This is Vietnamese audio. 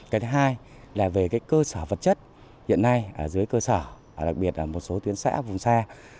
cái thứ hai là về cơ sở vật chất hiện nay ở dưới cơ sở đặc biệt là một số tuyến xã vùng xa